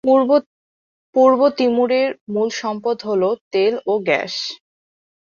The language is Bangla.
পূর্ব তিমুরের মূল সম্পদ হলো তেল ও গ্যাস।